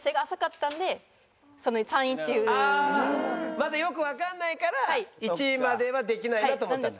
まだよくわからないから１位まではできないなと思ったんだ。